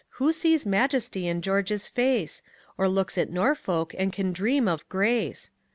who sees majesty in George's face? Or looks at Norfolk, and can dream of grace?